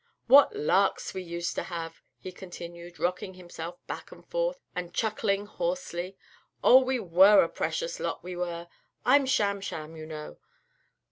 What larks we used to have!" he continued, rocking himself back and forth and chuckling hoarsely. "Oh! we were a precious lot, we were! I'm Sham Sham, you know.